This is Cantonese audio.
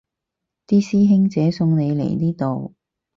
啲師兄姐送你嚟呢度